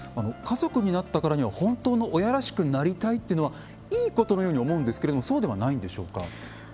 家族になったからには本当の親らしくなりたいっていうのはいいことのように思うんですけれどもそうではないんでしょうか？